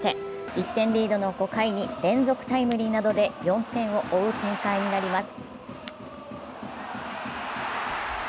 １点リードの５回に連続タイムリーなどで４点を追う展開になります。